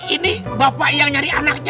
ini bapak yang nyari anaknya